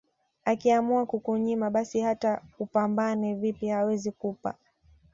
Akiamua kukunyima basi hata upambane vipi huwezi kupata